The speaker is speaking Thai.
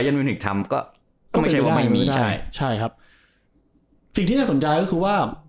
ใช่ครับสิ่งที่น่าสนใจก็คือว่า